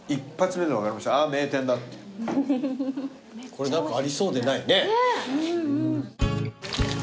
これ何かありそうでないね。